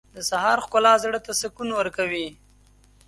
• د سهار ښکلا زړه ته سکون ورکوي.